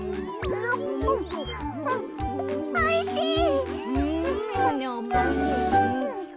おいしい。